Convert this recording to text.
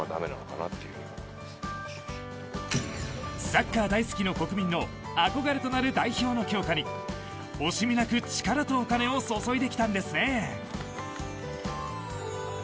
サッカー大好きの国民の憧れとなる代表の強化に惜しみなく力とお金を注いできたんですね。